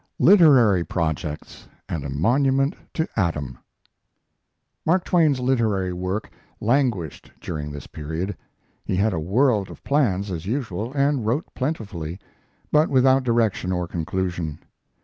LITERARY PROJECTS AND A MONUMENT TO ADAM Mark Twain's literary work languished during this period. He had a world of plans, as usual, and wrote plentifully, but without direction or conclusion.